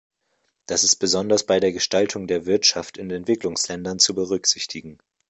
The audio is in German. Das ist besonders bei der Gestaltung der Wirtschaft in Entwicklungsländern zu berücksichtigen.